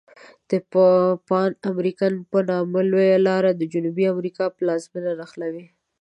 د پان امریکن په نامه لویه لار د جنوبي امریکا پلازمیني نښلولي.